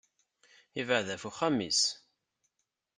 Yebεed ɣef uxxam-is.